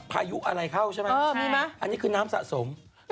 พายุอะไรเข้าใช่ไหมอันนี้คือน้ำสะสมเออมีไหม